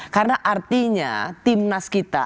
karena artinya timnas kita